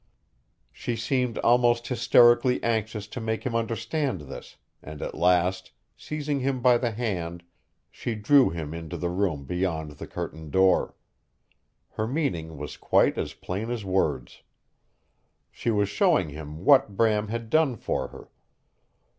She seemed almost hysterically anxious to make him understand this, and at last, seizing him by the hand, she drew him into the room beyond the curtained door. Her meaning was quite as plain as words. She was showing him what Bram had done for her.